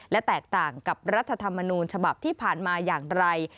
และแตกต่างกับรัฐธรรมนูญฉบับที่ผ่านมาอย่างไร